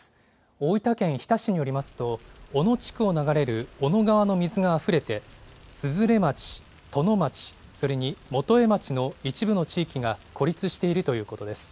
大分県日田市によりますと、小野地区を流れる小野川の水があふれて、鈴連町、殿町、それに源栄町の一部の地域が孤立しているということです。